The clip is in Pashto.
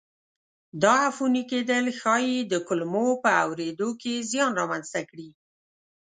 دا عفوني کېدل ښایي د کلمو په اورېدو کې زیان را منځته کړي.